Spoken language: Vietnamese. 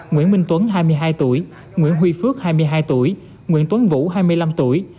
nguyễn minh tuấn hai mươi hai tuổi nguyễn huy phước hai mươi hai tuổi nguyễn tuấn vũ hai mươi năm tuổi